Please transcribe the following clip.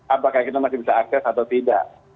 apakah kita masih bisa akses atau tidak